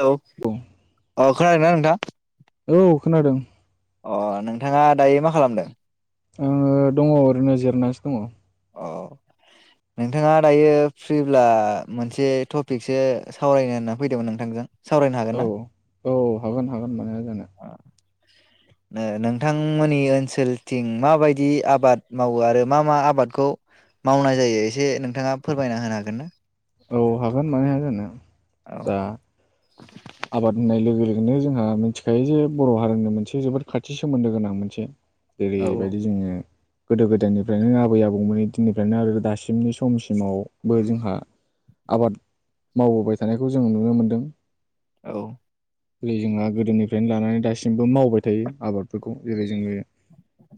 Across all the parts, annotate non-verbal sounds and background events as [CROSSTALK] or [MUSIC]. Hello औ अ खोनादों ना नोंथां औ खोनादों अ नोंथाङा दायो मा खालामदों आङो दङ ओरैनो जिरनासो दङ औ नोंथाङा दायो फ्रिब्ला मोनसे टपिकसो सावरायनो होनना फैदोंमोन नोंथांजों सावरायनो औ हागोन ना औ हागोन हागोन मानो हाया जानो नो नोंथांमोननि ओनसोलथिं माबायदि आबाद मावो आरो मा मा आबादखौ मावनाय जायो एसे नोंथाङा फोरमायना होनो हागोन ना औ हागोन मानो हाया जानो औ दा आबाद होननाय लोगो लोगोनो जोंहा मिथिखायो जे बर' हारिनि मोनसे जोबोद खाथि सोमोन्दो गोनां मोनसे औ ओरैबायदि जोङो गोदो गोदायनिफ्रायनो आबै आबौमोननि दिननिफ्रायनो आरो दासिमनि समसिमावबो जोंहा आबाद मावबोबाय थानायखौ जों नुनो मोनदों औ खाै जोंहा गोदोनिफ्रायनो लानानै दासिमबो मावबाय थायो आबाद फोरखौ जेरै जोङो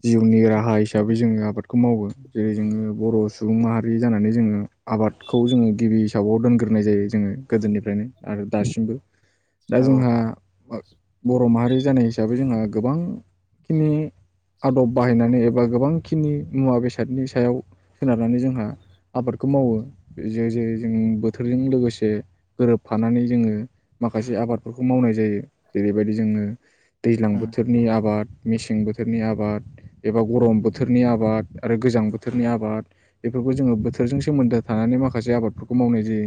जिउनि राहा हिसाबै जोङो आबादखौ मावो जेरै जोङो बर' सुबुं माहारि जानानै जोङो आबादखौ जोङो गिबि फिथाबआव दोनग्रोनाय जायो जोङो गोदोनिफ्रायनो आरो दासिमबो दा औ जोंहा बर' माहारि जानाय हिसाबै जोंहा गोबांखिनि आदब बाहायनानै एबा गोबांखिनि मुवा बेसादनि सायाव सोनारनानै जोंहा आबादखौ मावो जे जे जों बोथोरजों लोगोसे गोरोबफानानै जोङो माखासे आबादफोरखौ मावनाय जायो जेरैबायदि जोङो दैज्लां उम बोथोरनि आबाद मेसें बोथोरनि आबाद एबा गरम बोथोरनि आबाद आरो गोजां बोथोरनि आबाद बेफोरखौ जोङो बोथोरजों सोमोन्दो थानानै माखासे आबादफोरखौ मावनाय जायो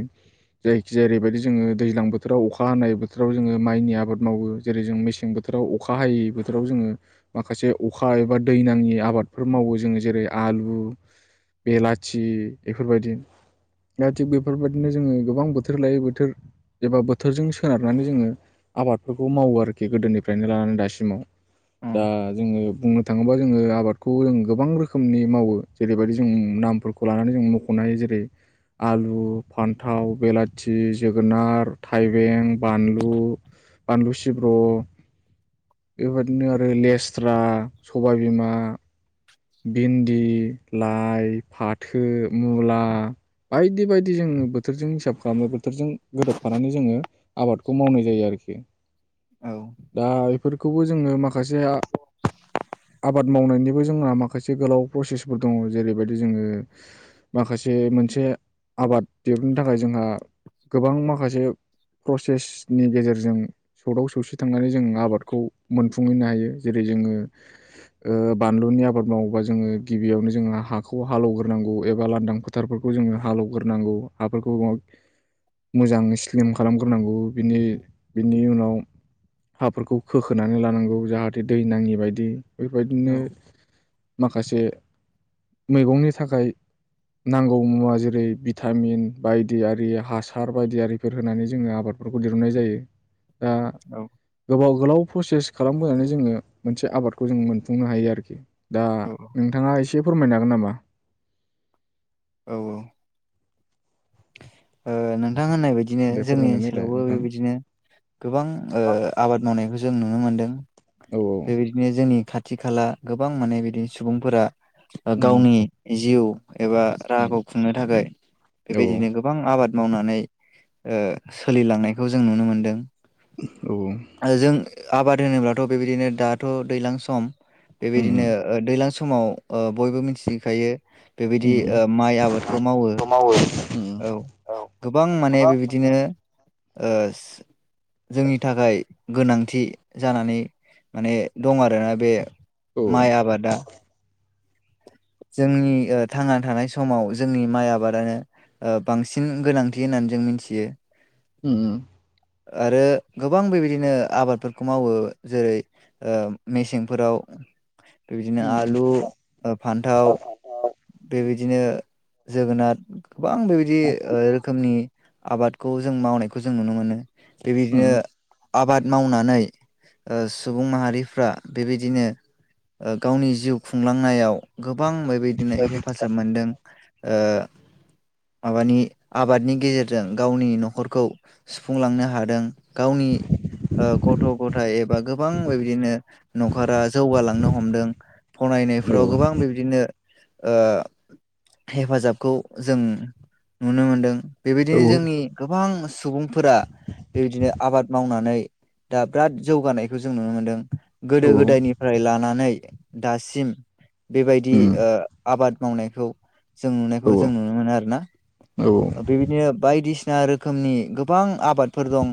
जायखि जेरैबायदि जोङो दैज्लां बो थोराव अखा हानाय बोथोराव जोङो माइनि आबाद मावो जेरै जों मेसें बोथोराव अखा हायै बोथोराव जोङो माखासे अखा एबा दै नाङि आबादफोर मावो जोङो जेरै आलु बेलाथि बेफोरबायदि दा थिग बेफोरबायदिनो जोङो गोबां बोथोर लायै बोथोर एबा बोथोरजों सोनारनानै जोङो आबादफोरखौ मावो आरोखि गोदोनिफ्रायनो लानानै दासिमाव उम दा जोङो बुंनो थाङोबा जोङो आबादखौ जों गोबां रोखोमनि मावो जेरैबायदि जों नामफोरखौ लानानै जों मख'नो हायो जेरै आलु फान्थाव बेलाथि जोगोनार थाइबें बानलु बानलु सिब्र' बेबदिनो आरो लेस्रा सबायबिमा भिन्दि लाइ फाथो मुला बायदि बायदि जोङो बोथोरजों हिसाब खालामनाय बोथोरजों गोदोब फानानै जोङो आबादखौ मावनाय जायो आरोखि औ दा बेफोरखौबो जोङो माख खासे आबाद मावनायनिबो जोंहा माखासे गोलाव प्रसेसफोर दङ जेरैबायदि जोङो माखासे मोनसे आबाद देरनो थाखाय जोंहा गोबां माखासे मोनसे प्रसेसनि गेजेरजों सौदाव सौसि थांनानै जों आबादखौ मोनफुंहैनो हायो जेरै जोङो बानलुनि आबाद मावोबा जोङो गिबियावनो जोङो हाखौ हालौवग्रोनांगौ एबा लांदां फोथारफोरखौ जोङो हालेवग्रोनांगौ हाफोरखौ मोजाङै स्लिम खालामग्रोनांगौ बिनि बिनि उनाव हाफोरखौ खोखोनानै लानांगौ जाहाथे दै नाङि बायदि औ बेबायदिनो माखासे मैगंनि थाखाय नांगौ मुवा जेरै भिटामिन बायदियि हासार बायदियारि बेफोर होनानै जोङो आबादफोरखौ दिरुननाय जायो दा औ गोबाव गोलाव प्रसेस खालामबोनानै जोङो मोनसे आबादखौ जों मोनफुंनो हायो आरोखि दा औ नोंथाङा एसे फोरमायनो हागोन नामा औ औ ओ नोंथां होननाय बदिनो दे जोंनि फोरमायनानै होलाय ओनसोलावबो नोंथां बेबायदिनो गोबां ओ आबाद मावनायखौ जों नु नो मोनदों औ बेबायदिनो जोंनि खाथि खाथि खाला गोबां माने बिदिनो सुबुंफोरा उम गावनि जिउ एबा उम राहाखौ खुंनो थाखाय औ बेबायदिनो गोबां आबाद मावनानै ओ सोलिलांनायखौ जों नुनो मोनदों औ जों आबाद होनोब्लाथ' बेबाय बिदिनो दाथ' दैलां सम उम बेबायदिनो ओ दैलां सम समाव ओ बयबो मिथिखायो बेबायदि उम उम ओ माइ आबादखौ मावो खौ उम औ गोबां माने बेबायदिनो ओ जोंनि थाखाय गोनांथि जानानै माने दं आरोना बे औ माइ आबादा जोंनि ओ थांना थानाय समाव जोंनि माइ आबादानो ओ बांसिन गोनांथि होननानै जों मिथियो उम आरो गोबां बेबायदिनो आबादफोरखौ मावो जेरै ओ मेसेंफोराव बे बिदिनो उम आलु फान्थाव औ बेबायदिनो जोगोनाद गोबां बेबायदि ओ रोखोमनि आबादखौ जों मावनायखौ जों नुनो मोनो बेबायदिनो आबाद मावनानै ओ‌ सुबुं माहारिफ्रा बेबायदिनो ओ गावनि जिउ खुंलां नायाव गोब गोबां बेबायदिनो हेफाजाब मोनदों माबानि आबादनि गेजेरजों गावनि न'खरखौ सुफुंलांनो हादों गावनि ओ गथ' गथाइ एबा गोबां बेबायदिनो न'खरा जौगालांनो हमदों [UNINTELLIGIBLE] फ्राव गोबां बेबादिनो ओ‌ हेफाजाबखौ जों नुनो मोनदों औ बेबायदिनो जोंनि गोबां सुबुंफोरा बेबायदिनो आबाद मावनानै दा बिराद जौगानायखौ जों नुनो मोनदों गोदो गोदायनिफ्राय लानानै दासिम बेबायदि उम ओ‌ आबाद मावनायखौ जों नुनायखौ औ जों औ नुनो मोनो आरो ना बेबायदिनो बायदिसि सिना रोखोमनि गोबां आबादफोर दं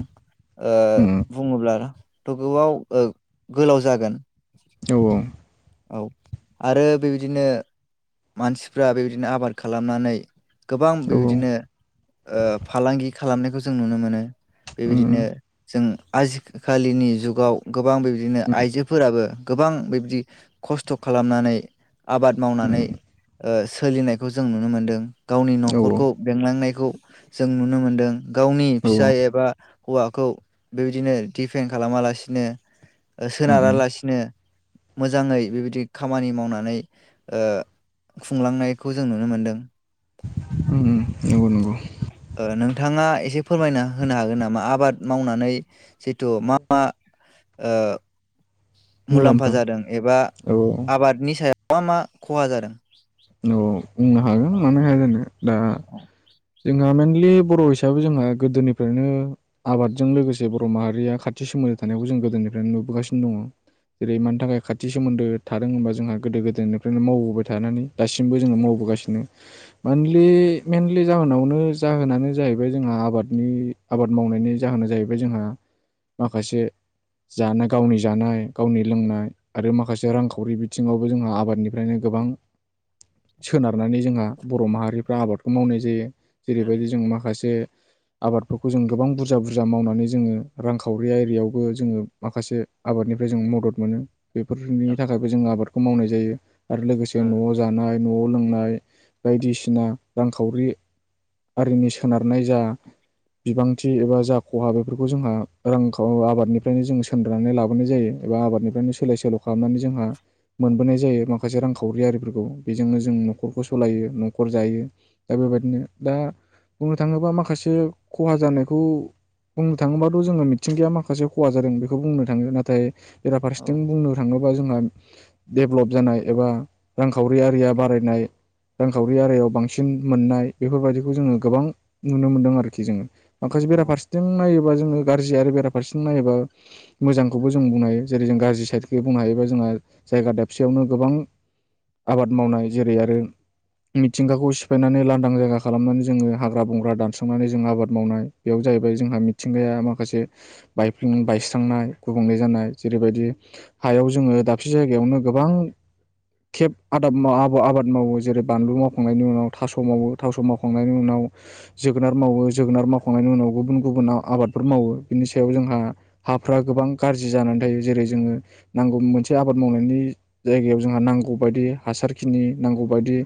ओ उम बुङोब्लाथ' गोआव गोलाव जागोन औ औ औ आरो बेबायदिनो मानसिफ्रा बेबायदिनो आबाद खालामनानै गोबां औ बेबायदिनो फालांगि खालामनायखौ जों नुनो मोनो उम बेबायदिनो जों आजिखालिनि जुगाव गोबां बेबायदिनो उम आइजोफोराबो गोबां बेबायदि खस्थ' खालामनानै आबाद उम मावनानै ओ सोलिनायखौ जों नुनो मोनदों गावनि औ न'खरखौ बेंलांनायखौ जों नुनो मोनदों गावनि औ फिसाय एबा हौवाखौ बेबायदिनो दिफेन खालामालासिनो उम सोनारालासिनो मोजाङै बेबायदि खामानि मावनानै खुंलांनायखौ जों नुनो मोनदों उम नंगौ नंगौ नोंथाङा एसे फोरमायना होनो हागोन नामा आबाद मावनानै जिथु मा मा मुलाम्फा जादों एबा औ नि सायाव मा मा खहा जादों औ बुंनो हागोन मानो हाया जानो दा जोंहा मइेनलि बर' हिसाबै जोंहा गोदोनिफ्रायनो आबादजों लोगोसे बर' माहारिया खाथि सोमोन्दो थानायखौ जों गोदोनिफ्रायनो नुबोगासिनो दङ जेरै मानि थाखाय खाथि सोमोन्दो थादों होनबा जोंहा गोदो गोदोनिफ्रायनो मावबोबाय थानानै दासिमबो जोङो मावबोगासिनो मेनलि आनि जाहोनावनो जाहोनानो जाहैबाय जोंहा आबादनि आबाद मावनायनि जाहोना जाहैबाय जोंहा माखासे जानाय गावनि जानाय गावनि लोंनाय आरो माखासे रांखावरि बिथिङावबो जोंहा आबादनिफ्रायनो गोबां सोनारनानै जोंहा बर' माहारिफ्रा आबादखौ खौ मावनाय जायो जेरैबायदि जों माखासे आबादफोरखौ जों गोबां बुरजा बुरजा मावनानै जोङो रांखावरि एरिायावबो जोङो माखासे आबादनिफ्राय जों मदद मोनो बेफोरनि थाखायबो जों आबादखौ खौ मावनाय जायो आरो लोगोसे औ न'आव जानाय न'आव लोंनाय बायदिसिना रांखावरि आरिनि सोनारनाय जा बिबांथि एबा जा खहा बेफोरखौ जोंहा रां खाव अ आबादनिफ्रायनो जों सोमद्रनानै लाबोनाय जायो एबा आबादनिफ्रायनो सोलाय सोल' खालामनानै जोंहा मोनबोनाय जायो माखासे रांखावरि आरिफोरखौ बेजोंनो जों न'खरखौ सालायो न'खर जायो दा बेबायाददिनो दा बुंनो थाङोबा माखासे खहा जानायखौ बुंनो थाङोबाथ' जोङो मिथिंगाया माखासे खहा जादों बेखौ बुंनो थाङो नाथाय औ बेराफारसेथिं बुंनो थाङोबा जोंहा डेभलप जानाय एबा रांखावरि आरिया बारायनाय रांखावरि आरियाव बांसिन बांसिन मोननाय बेफोरबायदिखौ जोङो गोबां नुनो मोन्दों आरोखि जोङो माखासे औ बेराफारसेथिं नायोबा जोङो गाज्रि आरो बेराफारसे नायोबा मोजांखौबो जों बुंनो हायो जेरै जों गाज्रि साइडखौ बुंनो हायोबा जोंहा जायगा दाबसेयावनो गोबां आबाद मावनाय जेरै आरो मिथिंगाखौ सिफायनानै लांदां जायगा खालामनानै जोङो हाग्रा बंग्रा दानस्रांनानै जों आबाद मावनाय बेयाव जाहैबाय जोंहा मिथिंगाया माखा माखासे बायफे बायस्रांनाय गुबुंले जानाय जेरैबायदि हायाव जोङो दाबसे जायगायावनो गोबां खेब आदाब आबाद मावो जेरै बानलु मावखांनायनि उनाव थास' मावो थास' मावखांनायनि उनाव जोगोनार मावो जोगोनार मावखांनायनि उनाव गुबुन गुबुनाव आबादफोर मावो बिनि सायाव जोंहा हाफ्रा गोबां गाज्रि जानानै थायो जेरै जोङो नांगौ मोनसे आबाद मावनायनि जायगायाव जोंहा नांगौ बायदि हासारखिनि नांगौ बायदि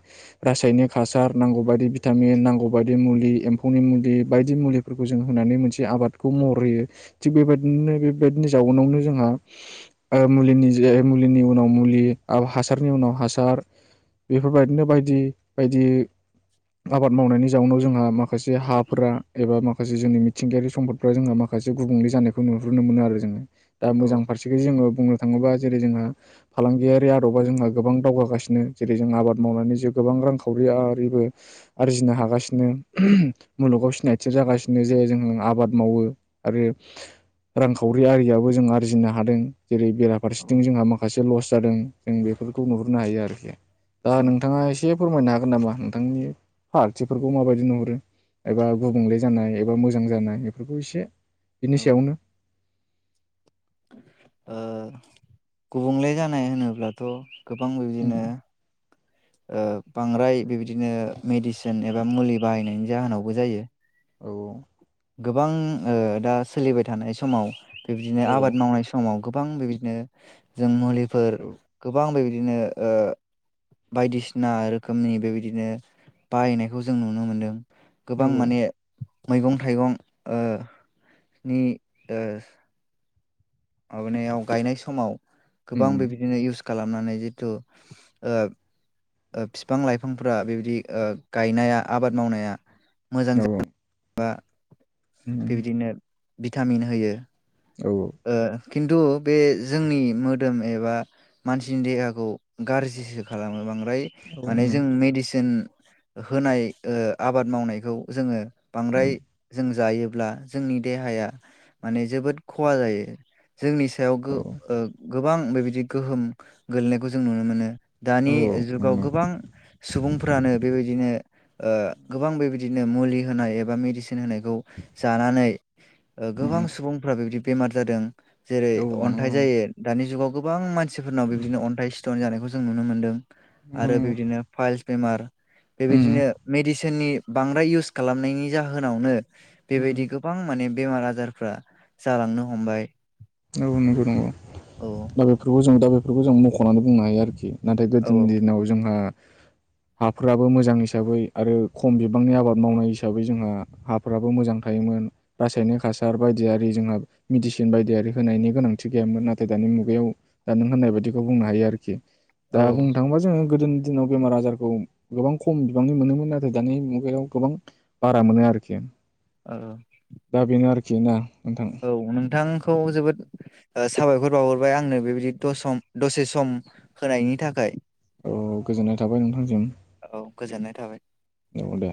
रासायनिक हासार नांगौ बायदि भिटामिन नांगौ बायदि मुलि एम्फौनि मुलि बायदि मुलिफोरखौ जों होनानै मोनसे आबादखौ महर होयो थिग बेबायदिनो बेबायदिनो जाउनावनो जोंहा ओ मुलिनि मुलिनि उनाव मुलि हासारनि उनाव हासार बेफोरबायदिनो बायदि बायदि आबाद मावनायनि जाउनाव जोंहा माखासे हाफोरा एबा माखासे जोंनि मिथिंगायारि सम्फदफोरा जोंहा माखासे गुबुंले जानायखौ नुहुनो मोनो आरो जोङो दा औ मोजां फारसेखै जोङो बुंनो थाङोबा जेरै जोंहा फालांगियारि आदबा जोंहा गोबां दावगागासिनो जेरै जों आबाद मावनानै जों गोबां रां रांखावरि आरिबो आरजिनो हागासिनो मुलुगाव सिनायथि जागासिनो जे जों आबाद मावो आरो रांखावरि आरियाबो जों आरजिनो हादों जेरै बेराफारसेथिं जोंहा माखासे लस जादों जों बेफोरखौ नुहुरनो हायो आरोखि दा औ नोंथाङा एसे [UNINTELLIGIBLE] नामा नोंथांनि फारथिफोरखौ माबायदि नुहरो एबा गुबुंले जानाय एबा मोजां जानाय बेफोरखौ इसे बिनि सायावनो ओ गुबुंले जानाय होनोब्लाथ गोबां बिदिनो ओ बांद्राय बेबायदिनो मेडिसिन एबा मुलि बाहायनायनि जाहोनावबो जायो। औ गोबां ओ दा सोलिबाय थानाय समाव बेबदिनो औ आबाद मावनाय समाव गोबां बेबायदिनो जों मलि फोर औ गोबां बेबा दिनो ओ बायदिसिना रोखोमनि बेबायदिनो बाहायनायखौ जों नुनो मोन्दों। औ गोबां माने मैगं थाइगं ओ नि ओ माबानायाव गायनाय समाव गोबां बेबायदिनो इउस- खालामनानै जिथु ओ ओ फिफां लाइफांफोरा बेबायदि ओ गायनाया आबाद मावनाया औ औ बा बेबायदिनो भिटामिन होयो। औ ओ खिन्थु बे जोंनि मोदोम एबा मानसिनि देहाखौ गाज्रिसो खालामो बां ओमफ्राय माने जों मेडिसिन होनाय ओ आबाद मावनायखौ जोङो बांद्राय जोङो जायोब्ला जोंनि देहाया माने जोबोद खहा जायो। जोंनि सायाव गो ओ गो गोबां बेबायदि गोहोम गोलैनायखौ जों नुनो मोनो। औ दानि औ जुगाव गोबां सुबुंफ्रानो बेबायदिनो ओ गोबां बेबायदिनो मुलि होनाय एबा मेडिसिन होनायखौ जानानै गोबां सुबुंफ्रा बेबादि बेमार जादों जेरै औ नंगौ औ नंगौ नंगौ अन्थाइ जायो दानि जुगाव गोबां मानसि मानसिफोरनाव बिदिनो अन्थाइ सिथन जानायखौ जों नुनो मोन्दों नंगौ आरो बिदिनो फाइल्स बेमार बेबायदिनो मेदिसिन थोननि बांद्राय इउस खालामनायनि जाहोनावनो बेबायदि गोबां माने बेमार आजारफ्रा जालांनो हमबाय नौ नंगौ नंगौ औ दा बेफोरखौ जों दा बे फोरखौ जों मख'नानै बुंनो हायो आरोखि नाथाय औ गोदोनि दिनाव जोंहा हाफोराबो मोजां हिसाबै आरो खम बिबांनि आबाद मावनाय हिसाबै जोंहा हाफ्राबो मोजां थायोमोन रासायनिक हासार बायदियारि जोंहा मेडिसिन बायदियारि होनायनि गोनांथि गैयामोन नाथाय दानि मुगायाव दा नों होननाय बायदिखौ बुंनो हायो आरोखि औ दा बुंनो थाङोबा जोङो गोदोनि दिनाव बेमार आजारखौ गोबां खम बिबांनि मोनोमोन नाथाय दानि मुगायाव गोबां बारा मोनो आरोखि ओ खिना औ नोंथांखौ जोबोद ओ साबायखर बावहरबाय आंनो बेबायदि द दसे सम होनायनि थाखाय अ गोजोननाय थाबाय नोंथांसिम औ गोजोननाय थाबाय औ दे